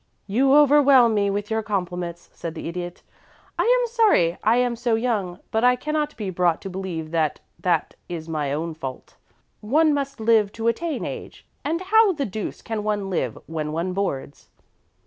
"You overwhelm me with your compliments," said the Idiot. "I am sorry I am so young, but I cannot be brought to believe that that is my own fault. One must live to attain age, and how the deuce can one live when one boards?"